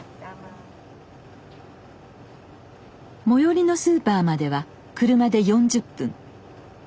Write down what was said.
最寄りのスーパーまでは車で４０分。